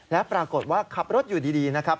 และปรากฏว่าขับรถอยู่ดีนะครับ